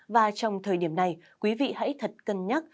và trong thời điểm này quý vị hãy thật cân nhắc